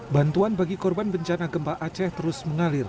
bantuan bagi korban bencana gempa aceh terus mengalir